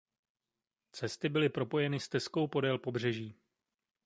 Cesty byly propojeny stezkou podél pobřeží.